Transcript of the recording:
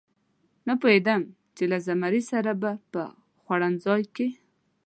نه پوهېدم چې له زمري سره به په خوړنځای کې.